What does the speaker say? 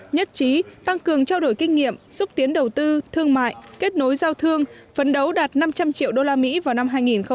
nhất trí tăng cường trao đổi kinh nghiệm xúc tiến đầu tư thương mại kết nối giao thương phấn đấu đạt năm trăm linh triệu usd vào năm hai nghìn hai mươi